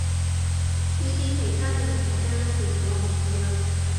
呢啲其他人嘅家事我唔理啦